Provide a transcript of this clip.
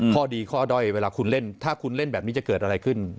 ข้อดีข้อด้อยเวลาคุณเล่นถ้าคุณเล่นแบบนี้จะเกิดอะไรขึ้น